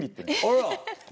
あら。